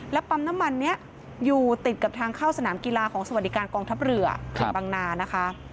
ปั๊มน้ำมันนี้อยู่ติดกับทางเข้าสนามกีฬาของสวัสดิการกองทัพเรือเขตบังนานะคะ